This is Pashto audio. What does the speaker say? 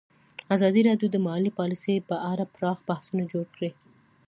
ازادي راډیو د مالي پالیسي په اړه پراخ بحثونه جوړ کړي.